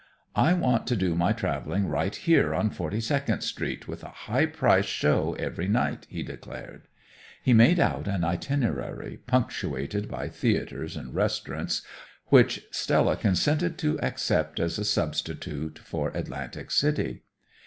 "I want to do my traveling right here on Forty second Street, with a high price show every night," he declared. He made out an itinerary, punctuated by theaters and restaurants, which Stella consented to accept as a substitute for Atlantic City.